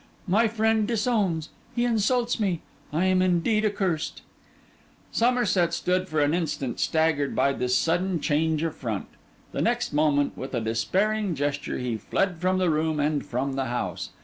My friend disowns—he insults me. I am indeed accurst.' Somerset stood for an instant staggered by this sudden change of front. The next moment, with a despairing gesture, he fled from the room and from the house.